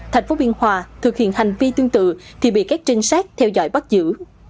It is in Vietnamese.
thành phố biên hòa thực hiện hành vi tương tự thì bị các trinh sát theo dõi bắt giữ